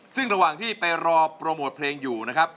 ซึ่งระหว่างที่ไปรอโปรโมทเพลงอยู่นะครับ